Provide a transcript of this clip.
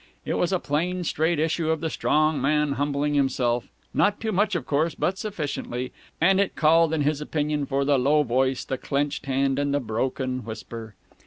It was a plain, straight issue of the strong man humbling himself not too much of course, but sufficiently: and it called, in his opinion, for the low voice, the clenched hand, and the broken whisper.